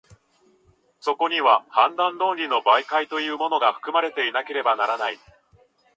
そこには判断論理の媒介というものが、含まれていなければならない。